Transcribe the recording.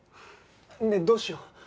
ねえどうしよう？